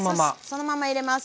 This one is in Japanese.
そのまま入れます。